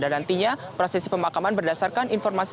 dan nantinya prosesi pemakaman berdasarkan informasi